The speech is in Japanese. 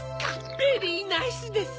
ベリーナイスです。